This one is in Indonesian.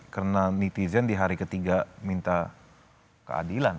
karena netizen di hari ketiga minta keadilan